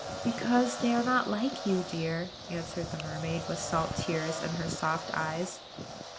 "Because they are not like you, dear," answered the mermaid, with salt tears in her soft eyes.